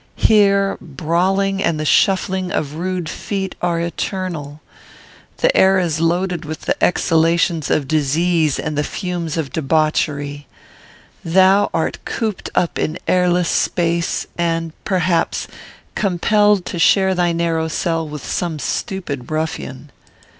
Here brawling and the shuffling of rude feet are eternal. The air is loaded with the exhalations of disease and the fumes of debauchery. Thou art cooped up in airless space, and, perhaps, compelled to share thy narrow cell with some stupid ruffian.